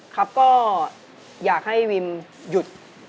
ครับก็อยากให้วิมหยุด